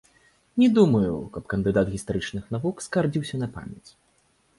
Не думаю, каб кандыдат гістарычных навук скардзіўся на памяць.